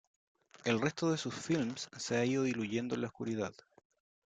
El resto de sus films se han ido diluyendo en la oscuridad.